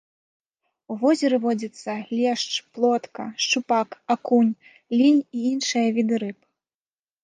У возеры водзяцца лешч, плотка, шчупак, акунь, лінь і іншыя віды рыб.